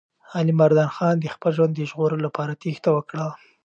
علیمردان خان د خپل ژوند د ژغورلو لپاره تېښته وکړه.